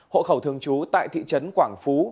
hộ khẩu thường chú tại thị trấn quảng phú